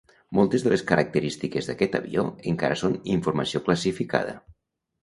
Moltes de les característiques d'aquest avió encara són informació classificada.